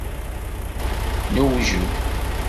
Newjed.